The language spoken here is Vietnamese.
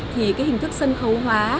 thì cái hình thức sân khấu hóa